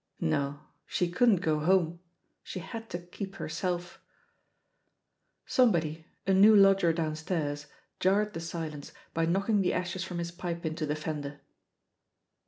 No^ she couldn't go home — she had to keep herself 1 Somebody, a new lodger downstairs, jarred the silence by knocking the ashes from his pipe into the fender.